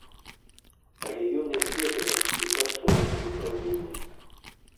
Але ён іх ведае і працуе над выпраўленнем!